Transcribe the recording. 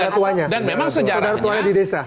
sudara sudara tuanya di desa